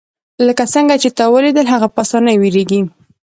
لکه څنګه چې تا ولیدل هغه په اسانۍ ویریږي